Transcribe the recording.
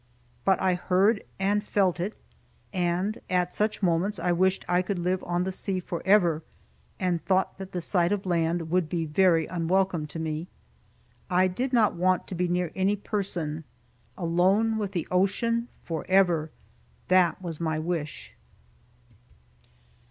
But I heard and felt it, and at such moments I wished I could live on the sea forever, and thought that the sight of land would be very unwelcome to me. I did not want to be near any person. Alone with the ocean forever that was my wish.